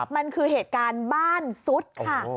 มันคือเหตุการณ์บ้านซุดค่ะ